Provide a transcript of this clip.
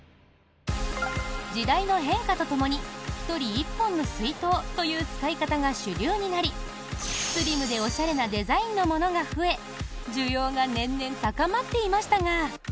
時代の変化とともに１人１本の水筒という使い方が主流になりスリムでおしゃれなデザインのものが増え需要が年々高まっていましたが。